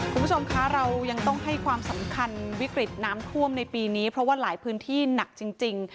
คุณผู้ชมคะเรายังต้องให้ความสำคัญวิกฤตน้ำท่วมในปีนี้เพราะว่าหลายพื้นที่หนักจริง